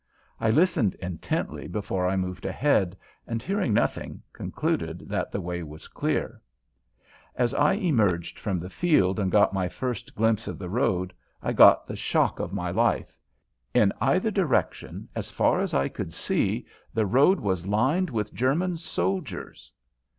I listened intently before I moved ahead, and, hearing nothing, concluded that the way was clear. As I emerged from the field and got my first glimpse of the road I got the shock of my life! In either direction, as far as I could see, the road was lined with German soldiers!